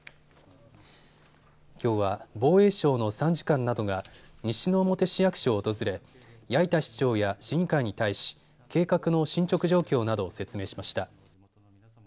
きょうは防衛省の参事官などが西之表市役所を訪れ八板市長や市議会に対し計画の進捗状況などを説明しました。